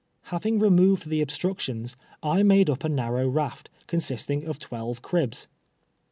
Having removed the obstructions, I made up a nar row raft, consisting of twelve cribs.